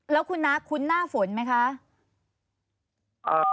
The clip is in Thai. แล้วคุณน้าคุ้นหน้าฝนไหมคะ